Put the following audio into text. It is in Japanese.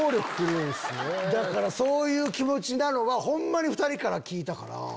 そういう気持ちになるのはホンマに２人から聞いたから。